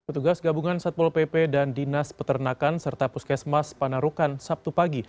petugas gabungan satpol pp dan dinas peternakan serta puskesmas panarukan sabtu pagi